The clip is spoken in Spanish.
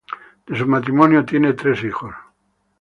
De su matrimonio tiene tres hijos.